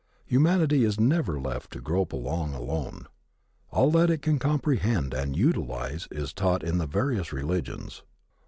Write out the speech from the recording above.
Humanity is never left to grope along alone. All that it can comprehend and utilize is taught it in the various religions.